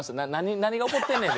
「何が起こってんねん」って。